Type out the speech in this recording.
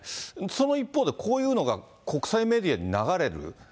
その一方で、こういうのが国際メディアに流れる。